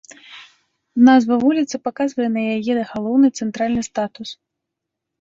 Назва вуліцы паказвае на яе галоўны цэнтральны статус.